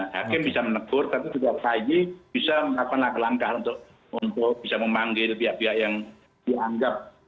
hakim bisa menegur tapi setiap kaji bisa melakukan langkah langkah untuk bisa memanggil pihak pihak yang dianggap